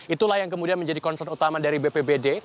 itulah yang kemudian menjadi concern utama dari bpbd